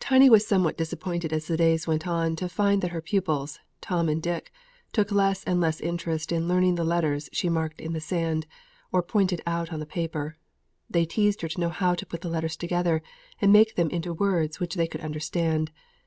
Tiny was somewhat disappointed as the days went on to find that her pupils, Tom and Dick, took less and less interest in learning the letters she marked in the sand, or pointed out on the paper. They teased her to know how to put the letters together and make them into words which they could understand.